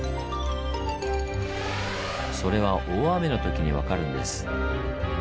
それは大雨のときに分かるんです。